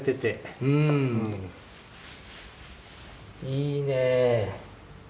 いいね。